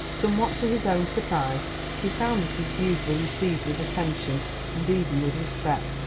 Somewhat to his own surprise, he found that his views were received with attention and even with respect.